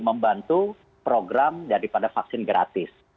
membantu program daripada vaksin gratis